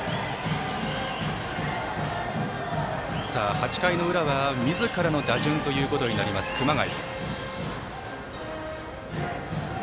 ８回の裏はみずからの打順となります、熊谷。